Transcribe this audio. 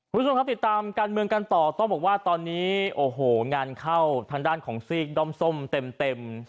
คุณผู้ชมครับติดตามการเมืองกันต่อต้องบอกว่าตอนนี้โอ้โหงานเข้าทางด้านของซีกด้อมส้มเต็ม